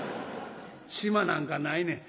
「縞なんかないねん」。